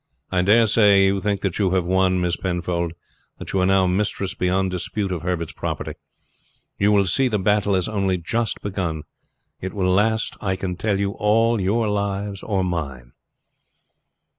I dare say you think that you have won, Miss Penfold; that you are now mistress beyond dispute of Herbert's property. You will see the battle has only just begun. It will last, I can tell you, all your lives or mine."